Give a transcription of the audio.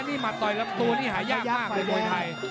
นี่หมัดต่อยลับตู้หายากมากในโรยไทย